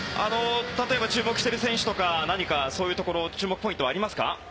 例えば注目している選手などそういうところ注目ポイントはありますか？